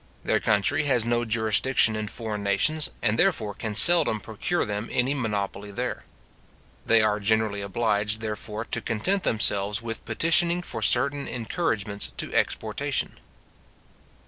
Their country has no jurisdiction in foreign nations, and therefore can seldom procure them any monopoly there. They are generally obliged, therefore, to content themselves with petitioning for certain encouragements to exportation.